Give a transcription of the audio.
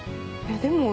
でも。